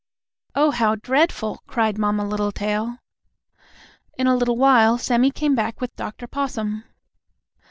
"Oh, how dreadful!" cried Mamma Littletail. In a little while Sammie came back with Dr. Possum.